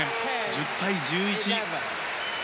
１０対１１。